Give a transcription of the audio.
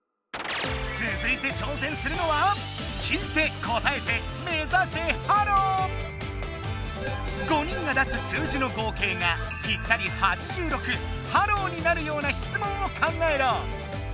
つづいてちょうせんするのは５人が出す数字の合計がぴったり８６ハローになるような質問を考えろ！